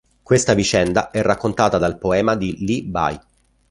Questa vicenda è raccontata dal poema di Li Bai.